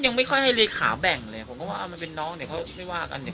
ยังไม่ค่อยให้เลขาแบ่งเลยผมก็ว่ามันเป็นน้องเดี๋ยวเขาไม่ว่ากันเนี่ย